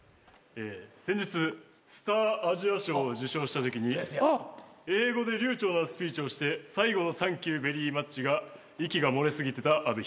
先日スター・アジア賞を受賞したときに英語で流ちょうなスピーチをして最後の「サンキューベリーマッチ」が息が漏れ過ぎてた阿部寛。